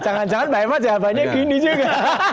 jangan jangan mbak eva jawabannya gini juga